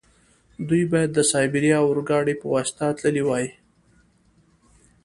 دوی باید د سایبیریا اورګاډي په واسطه تللي وای.